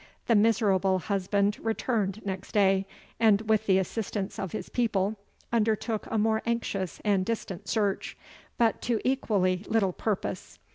The miserable husband returned next day, and, with the assistance of his people, undertook a more anxious and distant search, but to equally little purpose.